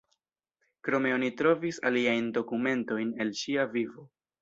Krome oni trovis aliajn dokumentojn el ŝia vivo.